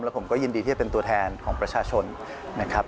ผมก็ยินดีที่จะเป็นตัวแทนของประชาชนนะครับ